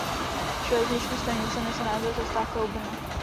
Železniční stanice nese název Zastávka u Brna.